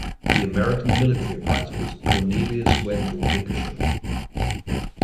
The American military advisor was Cornelius Wendell Wickersham.